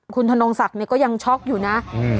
คุณถนนงสักนี่ก็ยังช็อกอยู่น่ะอืม